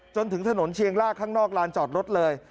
จนถึงถนนเชียงลากข้างนอกลานจอดรถเลย